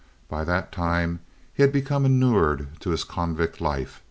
By that time he had become inured to his convict life.